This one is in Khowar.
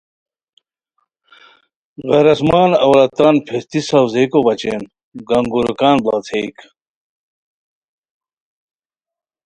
غراضمن عوراتن پھیستی ساؤزئیکو بچین گانگوروکان بڑاݯھیئک